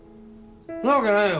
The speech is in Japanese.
そんなわけねえよ。